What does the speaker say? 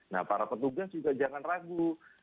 nah para petugas juga jangan ragu